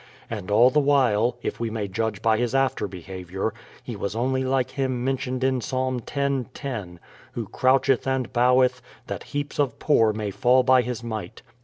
And all the while (if we may judge by his after behaviour) he was only like him mentioned in Psalm X, 10 : who croucheth and boweth, that heaps of poor may THE PLYMOUTH SETTLEMENT 145 fall by his might.